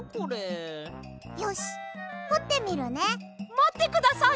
まってください！